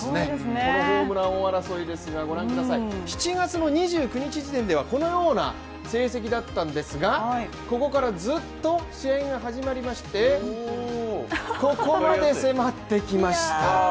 このホームラン王争いですが７月の２９日時点では、このような成績だったんですが、ここからずっと試合が始まりまして、ここまで迫ってきました。